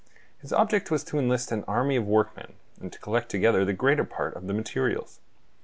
His object was to enlist an army of workmen, and to collect together the greater part of the materials.